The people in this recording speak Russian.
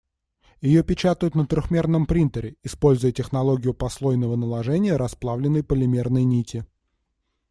Её печатают на трёхмерном принтере, используя технологию послойного наложения расплавленной полимерной нити.